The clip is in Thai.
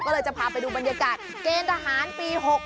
ก็เลยจะพาไปดูบรรยากาศเกณฑ์ทหารปี๖๖